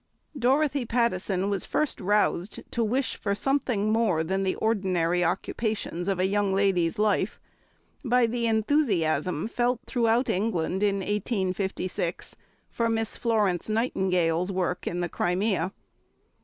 Dorothy Pattison was first roused to wish for something more than the ordinary occupations of a young lady's life by the enthusiasm felt throughout England in 1856 for Miss Florence Nightingale's work in the Crimea.